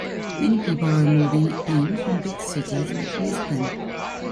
Many people are moving in from big cities like Lisbon.